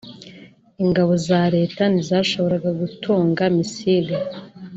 ingabo za Leta ntizashoboraga gutunga Missile